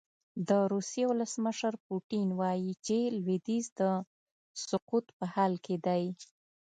د روسیې ولسمشر پوتین وايي چې لویدیځ د سقوط په حال کې دی.